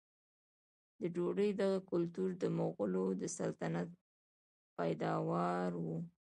د ډوډۍ دغه کلتور د مغولو د سلطنت پیداوار و.